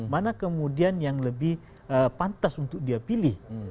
mana kemudian yang lebih pantas untuk dia pilih